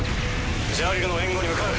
ジャリルの援護に向かう。